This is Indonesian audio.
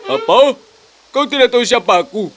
apa kau tidak tahu siapa aku